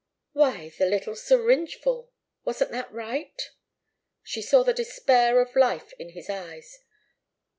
"Why the little syringe full wasn't that right?" She saw the despair of life in his eyes.